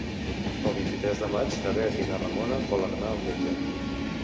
El vint-i-tres de maig na Bet i na Ramona volen anar al metge.